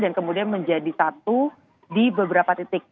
dan kemudian menjadi satu di beberapa titik ini